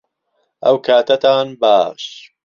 ئەوکاتەتان باش